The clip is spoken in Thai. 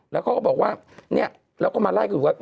แล้วก็บอกว่าเราก็มาไล่กันดูว่า